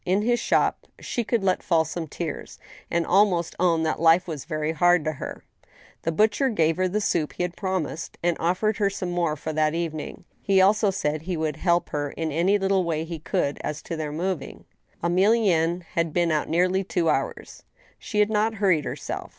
In his shop she could let fall some tears, and almost own that life was very hard to her. GOOD NEWS. V 8i The butcher gave her the soup he had promised, and offered her some more for that evening. He also said he would help her in any little way he could as to their moving. Emilienne had been out nearly two hours. She had not hurried herself.